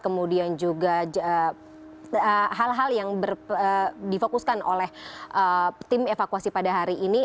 kemudian juga hal hal yang difokuskan oleh tim evakuasi pada hari ini